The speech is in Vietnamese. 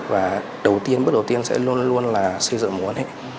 và đầu tiên bước đầu tiên sẽ luôn luôn là xây dựng mối quan hệ